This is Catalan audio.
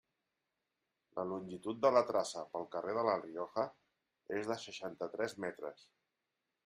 La longitud de la traça pel carrer de La Rioja és de seixanta-tres metres.